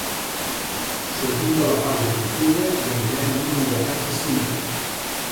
Sortim de la fase tortuga i entrem en un huracà fascinant.